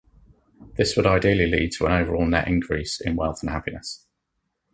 This would ideally lead to an overall net increase in wealth and happiness.